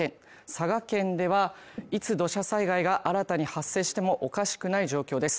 佐賀県ではいつ土砂災害が新たに発生してもおかしくない状況です